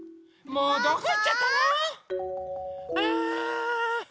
もうどこいっちゃったの？